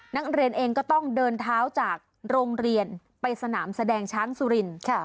นักเรียนเองก็ต้องเดินเท้าจากโรงเรียนไปสนามแสดงช้างสุรินทร์